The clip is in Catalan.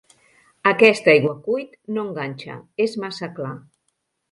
Aquest aiguacuit no enganxa, és massa clar.